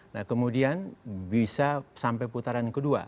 nah kemudian bisa sampai putaran kedua